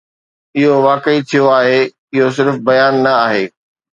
اهو واقعي ٿيو آهي، اهو صرف بيان نه آهي.